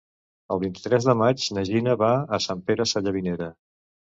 El vint-i-tres de maig na Gina va a Sant Pere Sallavinera.